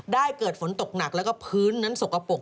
เกิดฝนตกหนักแล้วก็พื้นนั้นสกปรก